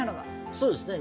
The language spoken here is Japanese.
そうですね。